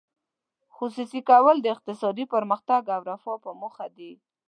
خصوصي کول د اقتصادي پرمختګ او رفاه په موخه دي.